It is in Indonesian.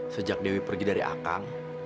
sejak dewi pergi dari akang